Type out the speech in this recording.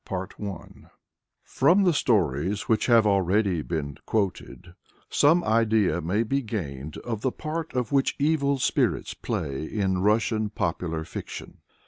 _ From the stories which have already been quoted some idea may be gained of the part which evil spirits play in Russian popular fiction.